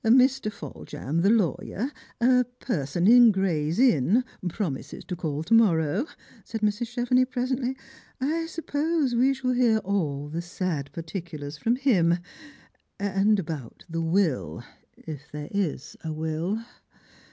" Mr. Foljambe the lawyer, a person in Gray's inn, promises to call to morrow," said Mrs. Chevenix presently. " I suppose we shall hear all the sad particulars from him, and about the will, if there is a will.'